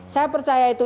saya percaya itu